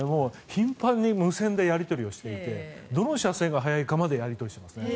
頻繁に無線でやり取りをしていてどの車線が速いかまでやり取りしてますね。